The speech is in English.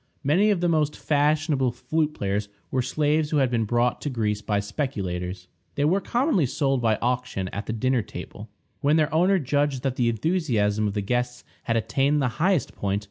Many of the most fashionable flute players were slaves who had been brought to Greece by speculators. They were commonly sold by auction at the dinner table, when their owner judged that the enthusiasm of the guests had attained the highest point.